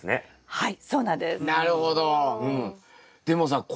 はい。